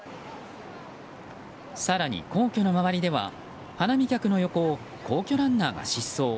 更に、皇居の周りでは花見客の横を皇居ランナーが疾走。